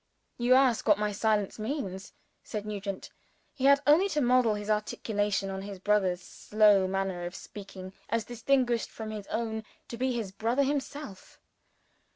"You ask what my silence means?" said Nugent. He had only to model his articulation on his brother's slower manner of speaking as distinguished from his own, to be his brother himself.